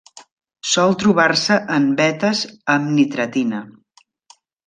Sol trobar-se en vetes amb nitratina.